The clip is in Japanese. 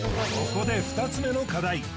ここで２つ目の課題